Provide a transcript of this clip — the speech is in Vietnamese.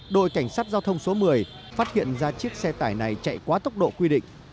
đội cảnh sát giao thông số một mươi phát hiện ra chiếc xe tải này chạy quá tốc độ quy định